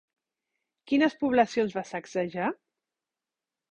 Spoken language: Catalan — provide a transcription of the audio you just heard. Quines poblacions va sacsejar?